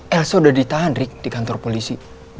elsa udah ditahan rick di kantor polisi